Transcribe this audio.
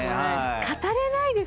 語れないですよね